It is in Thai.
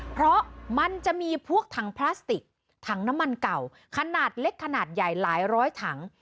เพราะมันจะมีพวกถังพลาสติกถังน้ำมันเก่าขนาดเล็กขนาดใหญ่หลายร้อยถัง